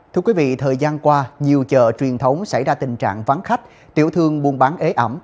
thưa quý vị thời gian qua nhiều chợ truyền thống xảy ra tình trạng vắng khách tiểu thương buôn bán ế ẩm